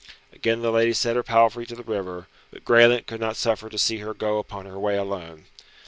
Again the lady set her palfrey to the river, but Graelent could not suffer to see her go upon her way alone.